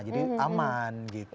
jadi aman gitu